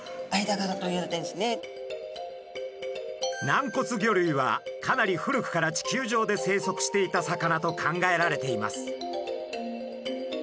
軟骨魚類はかなり古くから地球上で生息していた魚と考えられています。